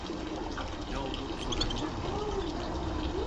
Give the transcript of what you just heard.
Ne olduğunu sorabilir miyim?